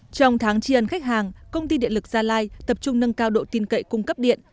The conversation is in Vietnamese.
trong tháng tri ân khách hàng công ty điện lực gia lai tập trung nâng cao độ tin cậy cung cấp điện